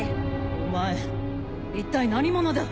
お前一体何者だ？